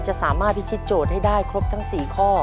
สามารถพิธีโจทย์ให้ได้ครบทั้ง๔ข้อ